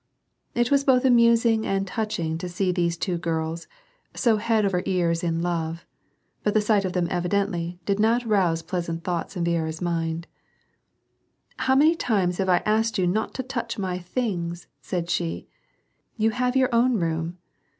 It was both amusing and touching to see these two girls, so head over ears in love, but the sight of them evidently, did not rouse pleasant thoughts in Viera's mind. " How many ■ times have I asked you not to touch my things," said she, " you have your own room."